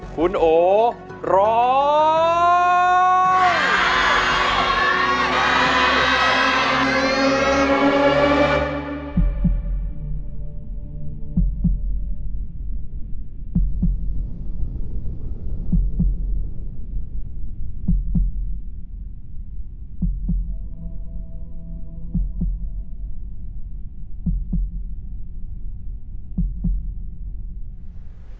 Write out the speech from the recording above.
คุณโอร้อง